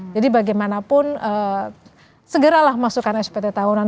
jadi bagaimanapun segeralah masukkan spt tahunan